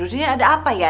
ini ada apa ya